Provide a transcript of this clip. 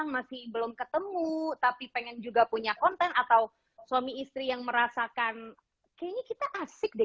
masih belum ketemu tapi pengen juga punya konten atau suami istri yang merasakan kayaknya kita asik deh